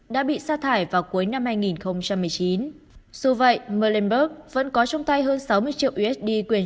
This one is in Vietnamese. đã bị xa thải vào cuối năm hai nghìn một mươi chín dù vậy molenburg vẫn có trong tay hơn sáu mươi triệu usd quyền